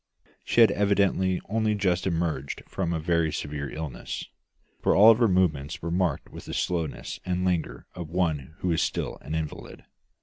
She had evidently only just emerged from a very severe illness, for all her movements were marked by the slowness and languor of one who is still an invalid.